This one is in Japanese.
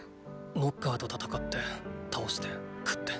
ノッカーと戦って倒して喰って。